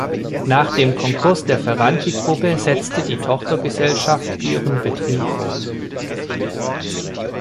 Nach dem Konkurs der Ferranti-Gruppe setzte die Tochtergesellschaft ihren Betrieb fort.